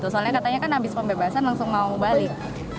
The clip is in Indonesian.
soalnya katanya kan habis pembebasan langsung mau balik